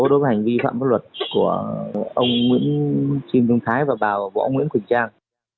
đối với hành vi phạm pháp luật của ông nguyễn trinh trung thái và bà võ nguyễn quỳnh trang